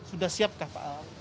sudah siapkah pak